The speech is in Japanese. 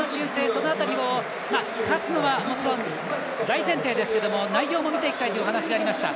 その辺りも、勝つのはもちろん大前提ですけれども内容も見ていきたいというお話もありました。